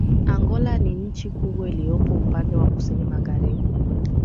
Angola ni nchi kubwa iliyopo upande wa kusini magharibi